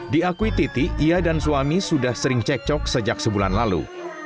diakui titi ia dan suami sudah sering cekcok sejak sebulan lalu